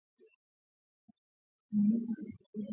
Mambo ya kesho atuiyuwi niya Mungu